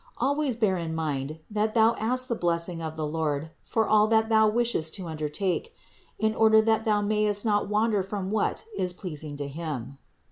Always bear in mind that thou ask the blessing of the Lord for all that thou wishest to under take, in order that thou mayest not wander from what is pleasing to Him.